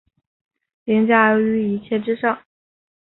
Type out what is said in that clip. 凌驾於一切之上